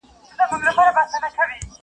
د حاکم تر خزانې پوري به تللې!!